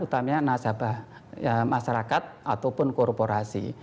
utamanya nasabah masyarakat ataupun korporasi